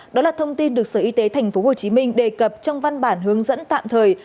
đó là thông tin được sở y tế tp hcm đề cập trong văn bản hướng dẫn tạm thời